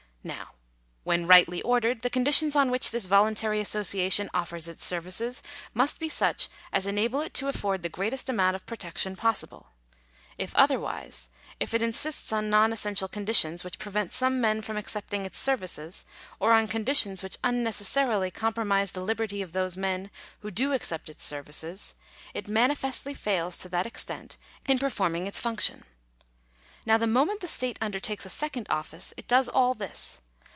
Now, when rightly ordered, the conditions on which this voluntary association offers its services, must be such as enable it to afford the greatest amount of protection possible. If otherwise — if it in sists on non essential conditions which prevent some men from accepting its services, or on conditions which unnecessarily compromise the liberty of those men who do accept its ser vices, it manifestly fails to that extent in performing its funo T 2 Digitized by VjOOQIC 276 THE LIMIT OF STATE DUTY. tion. Now the moment the state undertakes a second office 1 it does all this.